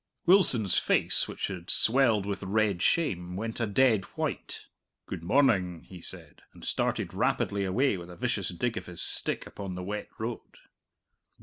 Wilson's face, which had swelled with red shame, went a dead white. "Good morning!" he said, and started rapidly away with a vicious dig of his stick upon the wet road.